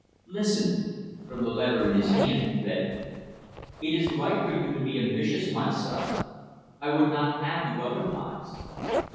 Listen." From the letter in his hand he read: "It is right for you to be ambitious, my son. I would not have you otherwise.